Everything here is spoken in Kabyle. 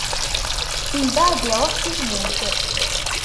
Mbeɛd iṛuḥ si tmurt.